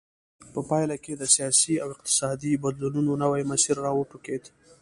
په پایله کې د سیاسي او اقتصادي بدلونونو نوی مسیر را وټوکېد.